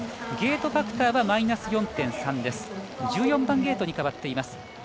ゲートファクターはマイナス４．３１４番ゲートに変わっています。